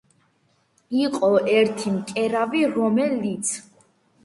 იყო ერთი მკერავი, რომელიც